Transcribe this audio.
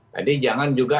jadi jangan juga